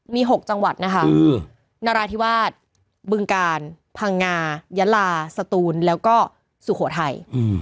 มี๖จังหวัดนะคะนราธิวาสบึงกาลพังงายะลาสตูนแล้วก็สุโขทัย